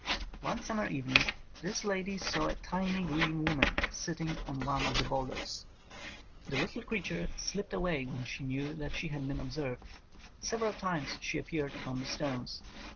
One summer evening this lady saw a tiny grey woman sitting on one of the boulders. The 147 THE COMING OF THE FAIRIES little creature slipped away when she knew that she had been observed. Several times she appeared upon the stones.